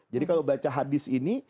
jadi kalau baca hadis ini